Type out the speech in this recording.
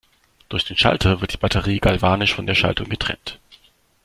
Durch den Schalter wird die Batterie galvanisch von der Schaltung getrennt.